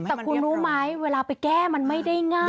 ก็คุณรู้มั๊ยเวลาไปแก้มันไม่ได้ง่าย